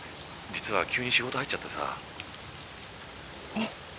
実は急に仕事入っちゃってさ。えっ？